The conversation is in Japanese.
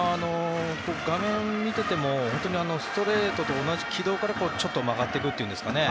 画面を見ててもストレートと同じ軌道からちょっと曲がっていくというか。